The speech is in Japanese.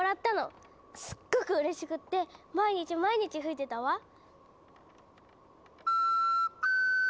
すっごくうれしくって毎日毎日吹いてたわ。